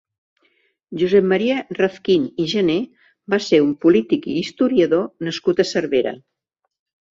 Josep Maria Razquin i Jené va ser un políitic i historiador nascut a Cervera.